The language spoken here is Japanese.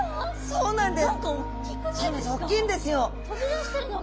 そうなんです。